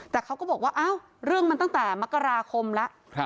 แต่เขาก็บอกว่าอ้าวเรื่องมันตั้งแต่มกราคมแล้ว